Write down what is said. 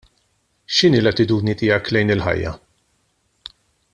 X'inhi l-attitudni tiegħek lejn il-ħajja?